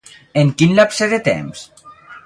En quin lapse de temps?